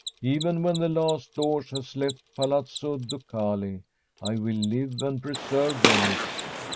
Even when the last Doge has left Palazzo Ducali I will live and preserve Ven ice.